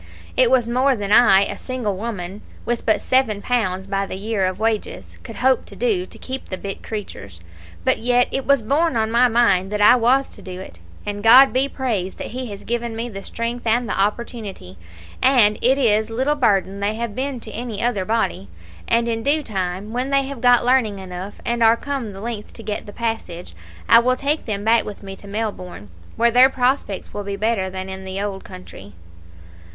It was more than I, a single woman, with but seven pounds by the year of wages, could hope to do, to keep the bit creatures; but yet it was borne on my mind that I was to do it, and God be praised that He has given me the strength and the opportunity, and it is little burden they have been to any other body; and in due time, when they have got learning enough, and are come the length to get the passage, I will take them back with me to Melbourne, where their prospects will be better than in the old country."